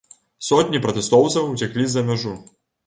Сотні пратэстоўцаў уцяклі за мяжу.